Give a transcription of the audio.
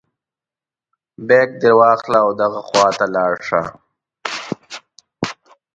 بیک دې واخله او دغه خواته لاړ شه.